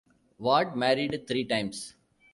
Ward married three times.